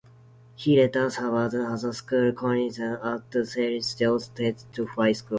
He later served as a school councillor at Saint John's Technical High School.